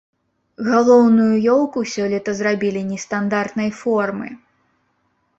Галоўную ёлку сёлета зрабілі нестандартнай формы.